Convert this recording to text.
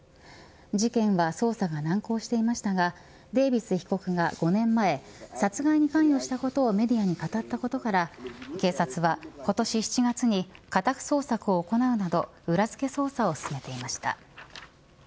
事件は捜査が難航していましたがデービス被告が５年前殺害に関与したことをメディアに語ったことから警察は今年７月に家宅捜索を行うなど裏付け捜査を進めていました。